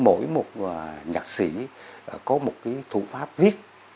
mỗi một nhạc sĩ có một cái thủ pháp viết